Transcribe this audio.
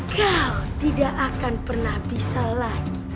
kau tidak akan pernah bisa lain